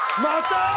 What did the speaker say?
また？